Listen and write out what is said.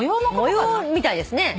模様みたいですね。